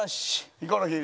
ヒコロヒー。